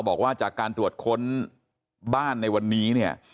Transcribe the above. บอกว่าจากการตรวจค้นบ้านในวันนี้เนี่ย